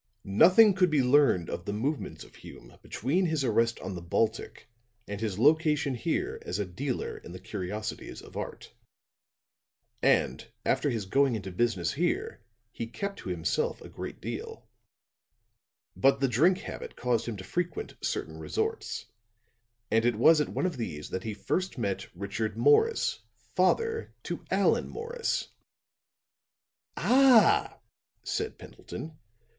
"'Nothing could be learned of the movements of Hume between his arrest on the Baltic and his location here as a dealer in the curiosities of art. And after his going into business here, he kept to himself a great deal. "'But the drink habit caused him to frequent certain resorts, and it was at one of these that he first met Richard Morris, father to Allan Morris!'" "Ah!" said Pendleton.